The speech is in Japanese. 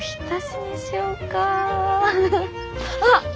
あっ！